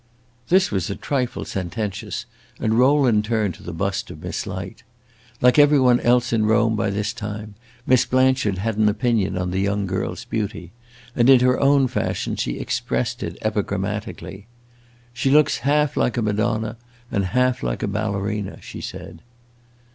This was a trifle sententious, and Rowland turned to the bust of Miss Light. Like every one else in Rome, by this time, Miss Blanchard had an opinion on the young girl's beauty, and, in her own fashion, she expressed it epigrammatically. "She looks half like a Madonna and half like a ballerina," she said.